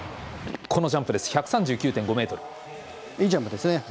このジャンプです、１３９．５ｍ。